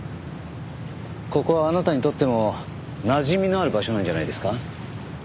ここはあなたにとってもなじみのある場所なんじゃないですか？